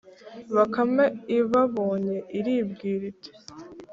Bakame ibabonye, iribwira iti: